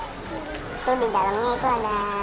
itu di dalamnya itu ada